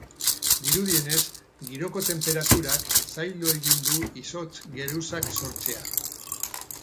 Dirudienez, giroko tenperaturak zaildu egin du izotz-geruzak sortzea.